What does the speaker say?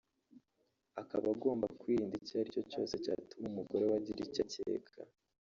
akaba agomba kwirinda icyo aricyo cyose cyatuma umugore we agira icyo akeka